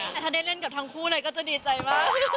แต่ถ้าได้เล่นกับทั้งคู่เลยก็จะดีใจมาก